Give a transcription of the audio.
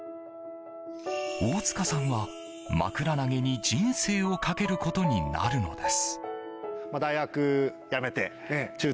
大塚さんは、まくら投げに人生をかけることになるのです。